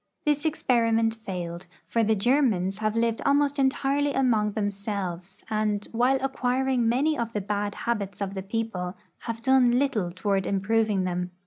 This experi ment failed, for the Germans have lived almost entirely among themselves, and, while acquiring many of the bad habits of the people, have done little toward improving them.